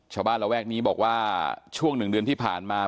ชาวบ้านระแวกนี้บอกว่าช่วงหนึ่งเดือนที่ผ่านมา